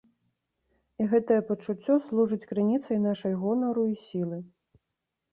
І гэтае пачуццё служыць крыніцай нашай гонару і сілы.